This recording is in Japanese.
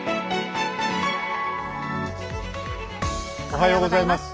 おはようございます。